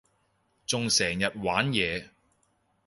仲成日玩嘢